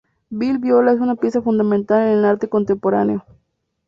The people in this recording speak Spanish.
Bill Viola es una pieza fundamental en el arte contemporáneo.